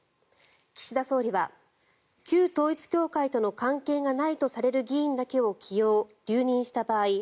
岸田総理は旧統一教会との関係がないとされる議員だけを起用・留任した場合